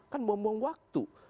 kan buang buang waktu